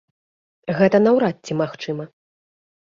Гэта наўрад ці магчыма.